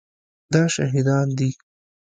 دا شهیدان دي